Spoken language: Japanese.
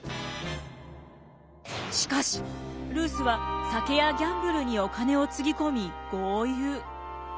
しかしルースは酒やギャンブルにお金をつぎ込み豪遊。